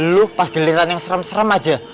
lo pas geliran yang serem serem aja